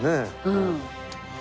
うん。